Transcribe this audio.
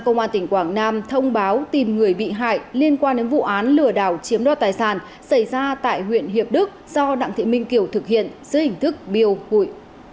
nguyễn công nam thông báo tìm người bị hại liên quan đến vụ án lừa đảo chiếm đoạt tài sản xảy ra tại huyện hiệp đức do đặng thị minh kiều thực hiện dưới hình thức biêu hụi